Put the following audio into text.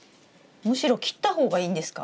むしろ切った方がいいんですか？